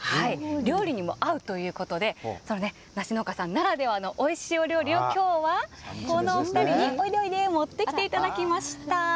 料理にも合うということで梨農家さんならではのおいしいお料理を、きょうはこのお２人に、おいでおいで持ってきてもらいました。